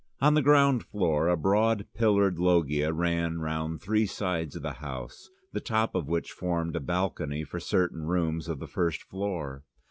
On the ground floor a broad pillared loggia ran round three sides of the house, the top of which formed a balcony for certain rooms of the first floor.